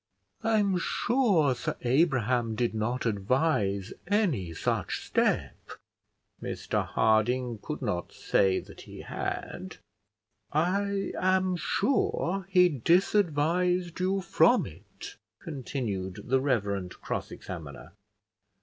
I'm sure Sir Abraham did not advise any such step." Mr Harding could not say that he had. "I am sure he disadvised you from it," continued the reverend cross examiner.